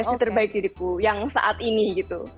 istri terbaik diriku yang saat ini gitu